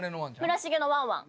村重のワンワン。